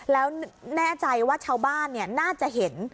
แล้วแน่ใจว่าชาวบ้านน่าจะเห็น